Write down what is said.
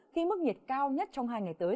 khi mức nhiệt cao nhất trong hai ngày tới